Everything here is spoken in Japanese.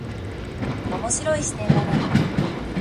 面白い視点だね。